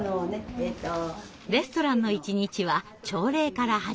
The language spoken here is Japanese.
レストランの一日は朝礼から始まります。